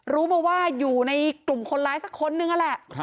รู้มาว่าอยู่ในกลุ่มคนร้ายสักคนนึงนั่นแหละ